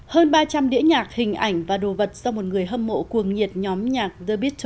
hơn ba trăm linh đĩa nhạc hình ảnh và đồ vật do một người hâm mộ cuồng nhiệt nhóm nhạc the beetle